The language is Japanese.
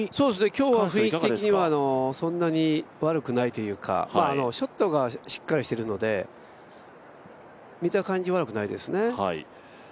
今日は雰囲気的にはそんなに悪くないというか、ショットがしっかりしてるので見た感じ、悪くないですね。